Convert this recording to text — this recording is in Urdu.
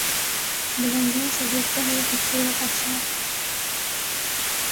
بلندیوں سے گرتے ہوئے خوبصورت آبشار